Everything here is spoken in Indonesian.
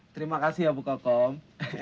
terima kasih ya bu kokom